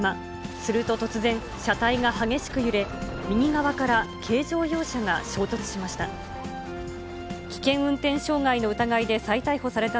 すると突然、車体が激しく揺れ、右側から軽乗用車が衝突しました。